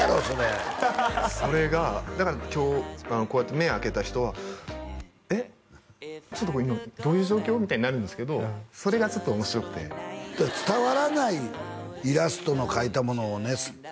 それそれがだからこうやって目開けた人はえっちょっとこれ今どういう状況？みたいになるんですけどそれがちょっと面白くて伝わらないイラストの描いたものをね